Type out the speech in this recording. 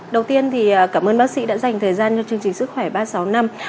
đầu tiên cảm ơn bác sĩ đã dành thời gian cho chương trình sức khỏe ba sáu năm